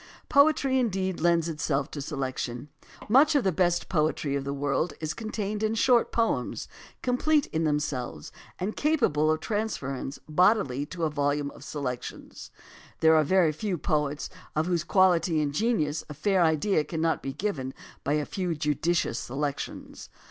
Poetry indeed lends itself to selection. Much of the best poetry of the world is contained in short poems, complete in themselves, and capable of transference bodily to a volume of selections. There are very few poets of whose quality and genius a fair idea cannot be given by a few judicious selections.